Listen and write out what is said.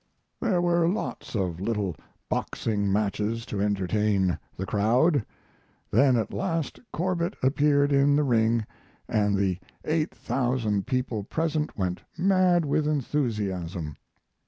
There were lots of little boxing matches to entertain the crowd; then at last Corbett appeared in the ring & the 8,000 people present went mad with enthusiasm.